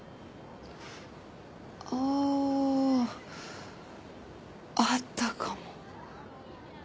ああったかも。